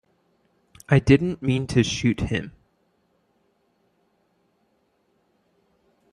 I didn't mean to shoot him.